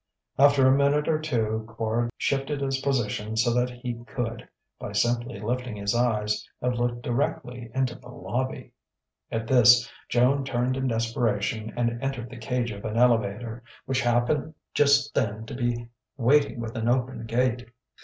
After a minute or two Quard shifted his position so that he could, by simply lifting his eyes, have looked directly into the lobby. At this Joan turned in desperation and entered the cage of an elevator, which happened just then to be waiting with an open gate.